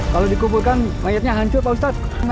kalau dikumpulkan mayatnya hancur pak ustadz